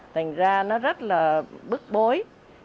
thành ra nó rất là bức bối